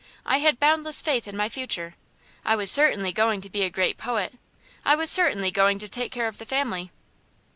I had boundless faith in my future. I was certainly going to be a great poet; I was certainly going to take care of the family.